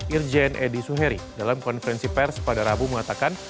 irjen edy suheri dalam konferensi pers pada rabu mengatakan